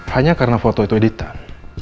hanya karena foto itu editan